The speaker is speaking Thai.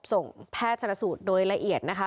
ส่งแพทย์สรรสุทธิ์โดยละเอียดนะคะ